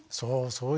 そう。